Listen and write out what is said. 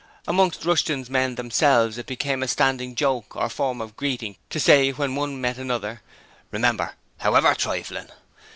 Amongst Rushton's men themselves it became a standing joke or form of greeting to say when one met another 'Remember! However trifling!'